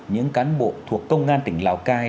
những cán bộ thuộc công an tỉnh lào cai